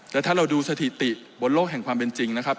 แล้วถ้าเราดูสถิติบนโลกแห่งความเป็นจริงนะครับ